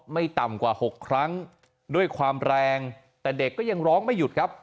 ไม่ต่ำกว่า๖ครั้งด้วยความแรงแต่เด็กก็ยังร้องไม่หยุดครับ